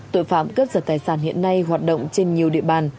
tội phạm cướp giật tài sản hiện nay hoạt động trên nhiều địa bàn